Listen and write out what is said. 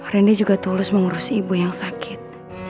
reni juga tulus mengurus ibu yang sakit